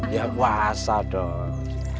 ya puasa dong